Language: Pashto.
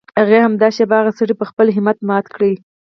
هغې همدا شېبه هغه سړی په خپل همت مات کړ.